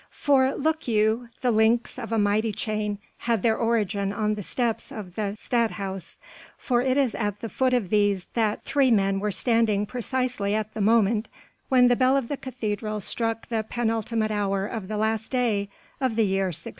For look you, the links of a mighty chain had their origin on the steps of the Stadhuis, for it is at the foot of these that three men were standing precisely at the moment when the bell of the cathedral struck the penultimate hour of the last day of the year 1623.